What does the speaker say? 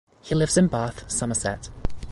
He lives in Bath, Somerset.